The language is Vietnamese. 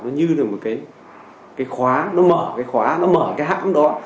nó như là một cái khóa nó mở cái khóa nó mở cái hãng đó